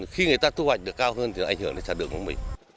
khi người ta thu hoạch được cao hơn thì nó ảnh hưởng đến sản lượng của mình